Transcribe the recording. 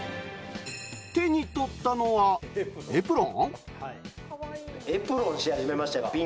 手に取ったのはエプロン。